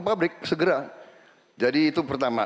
pabrik segera jadi itu pertama